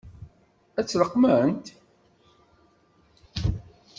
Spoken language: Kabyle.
Ad tt-leqqment?